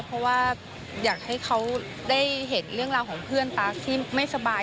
เพราะว่าอยากให้เขาได้เห็นเรื่องราวของเพื่อนตาที่ไม่สบาย